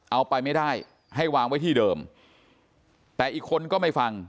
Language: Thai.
เอาไปไม่ได้ให้วางไว้ที่เดิมแต่อีกคนก็ไม่ฟัง